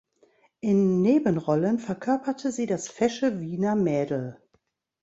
In Nebenrollen verkörperte sie das fesche Wiener Mädel.